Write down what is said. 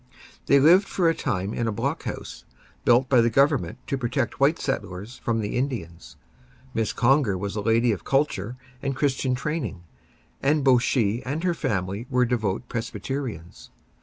They lived for a time in a block house, built by the Government to protect white settlers from the Indians. Miss Conger was a lady of culture and Christian training, and both she and her family were devoted Presbyterians.